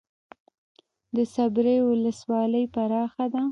د صبریو ولسوالۍ پراخه ده